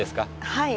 はい。